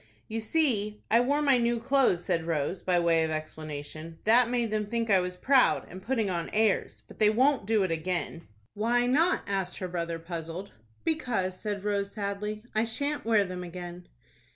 "You see I wore my new clothes," said Rose, by way of explanation. "That made them think I was proud, and putting on airs. But they won't do it again." "Why not?" asked her brother, puzzled. "Because," said Rose, sadly, "I shan't wear them again."